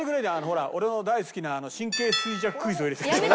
ほら俺の大好きな神経衰弱クイズを。